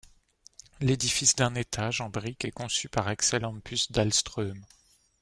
L'édifice d'un étage en briques est conçu par Axel Hampus Dalström.